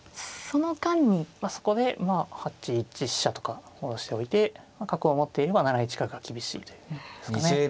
そこでまあ８一飛車とか下ろしておいて角を持っていれば７一角が厳しいというですかね。